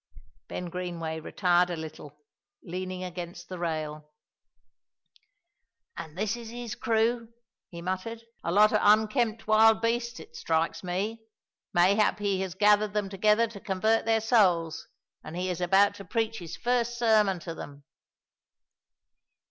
Ben Greenway retired a little, leaning against the rail. "An' this is his crew?" he muttered; "a lot o' unkempt wild beasts, it strikes me. Mayhap he has gathered them togither to convert their souls, an' he is about to preach his first sermon to them."